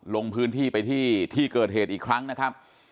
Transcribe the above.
ลงพื้นที่ไปที่ที่เกิดเหตุอีกครั้งนะครับ